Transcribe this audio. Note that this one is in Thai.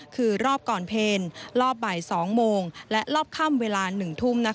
คือรอบก่อนเพลงรอบบ่าย๒โมงและรอบค่ำเวลา๑ทุ่ม